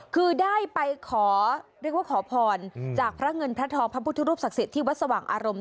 คือได้ไปขอเรียกว่าขอพรจากพระเงินพระทองพระพุทธรูปศักดิ์สิทธิ์ที่วัดสว่างอารมณ์